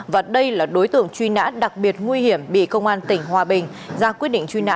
và đây là đối tượng truy nã đặc biệt nguy hiểm bị công an tỉnh hòa bình ra quyết định truy nã